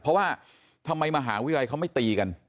เพราะว่าทำไมมหาวิทยาลัยเขาไม่ตีกัน